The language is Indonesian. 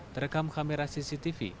terekam kamera cctv